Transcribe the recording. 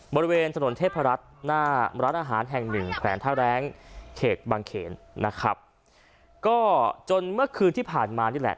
บริเวณถนนเทพรัฐหน้าร้านอาหารแห่งหนึ่งแขวนท่าแรงเขตบางเขนนะครับก็จนเมื่อคืนที่ผ่านมานี่แหละ